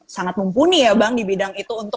sangat mumpuni ya bang di bidang itu untuk